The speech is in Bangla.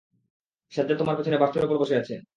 সাজ্জাদ তোমার পিছনে বার্থের ওপর বসে আছে।